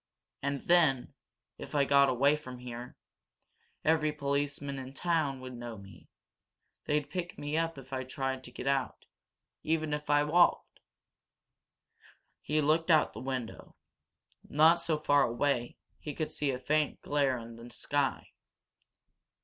And, then if I got away from here, every policeman in this town would know me. They'd pick me up if I tried to get out, even if I walked." He looked out of the window. Not so far away he could see a faint glare in the sky.